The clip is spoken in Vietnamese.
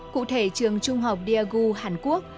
cụ thể trường trung học diagoo hàn quốc